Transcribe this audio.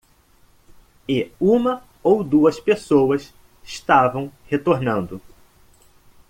E uma ou duas pessoas estavam retornando.